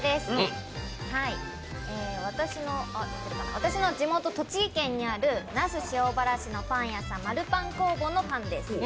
私の地元・栃木県にある那須塩原市のパン屋さんまるぱん工房のパンです。